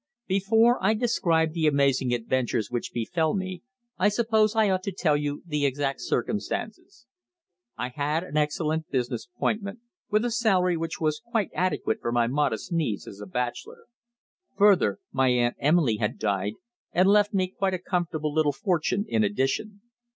Before I describe the amazing adventures which befell me I suppose I ought to tell you the exact circumstances. I had an excellent business appointment, with a salary which was quite adequate for my modest needs as a bachelor. Further, my Aunt Emily had died and left me quite a comfortable little fortune in addition.